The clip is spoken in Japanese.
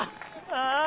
ああ！！